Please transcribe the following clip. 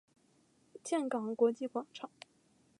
岘港国际机场。